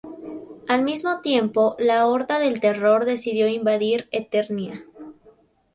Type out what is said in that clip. Al mismo tiempo, la Horda del Terror decidió invadir Eternia.